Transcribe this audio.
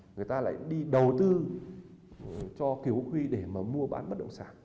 người ta lại đi đầu tư cho kiều huy để mà mua bán bất động sản